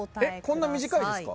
こんな短いですか？